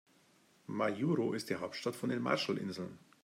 Majuro ist die Hauptstadt von den Marshallinseln.